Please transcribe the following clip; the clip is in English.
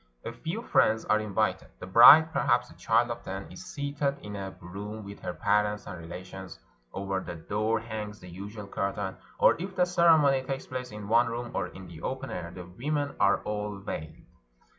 A few friends are invited ; the bride — perhaps a child of ten — is seated in a room with her parents and relations; over the door hangs the usual curtain. Or, if the ceremony takes place in one room or in the open air, the women are all veiled.